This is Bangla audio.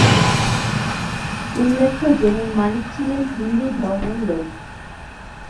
উল্লেখ্য, জমির মালিক ছিলেন হিন্দু ধর্মের লোক।